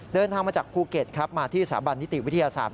เดินทางมาจากภูเก็ตครับมาที่สถาบันนิติวิทยาศาสตร์